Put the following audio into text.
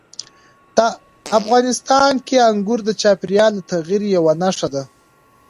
افغانستان کې انګور د چاپېریال د تغیر یوه نښه ده.